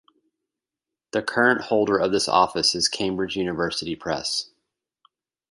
The current holder of this office is Cambridge University Press.